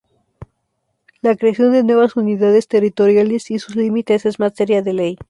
La creación de nuevas unidades territoriales y sus límites es materia de ley.